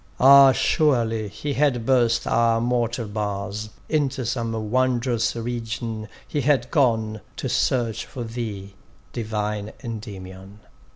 Ah! surely he had burst our mortal bars; Into some wond'rous region he had gone, To search for thee, divine Endymion!